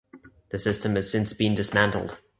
The system has since been dismantled.